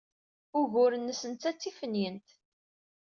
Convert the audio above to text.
Ugur-nnes netta d tiffenyent.